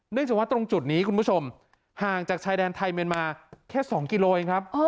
จากว่าตรงจุดนี้คุณผู้ชมห่างจากชายแดนไทยเมียนมาแค่๒กิโลเองครับ